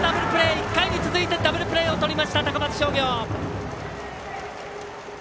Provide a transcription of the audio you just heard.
１回に続いてダブルプレーをとりました、高松商業。